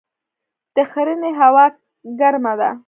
د ښرنې هوا ګرمه ده